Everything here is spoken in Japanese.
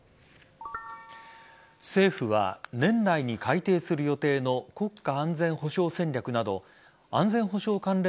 政府は年内に改定する予定の国家安全保障戦略など安全保障関連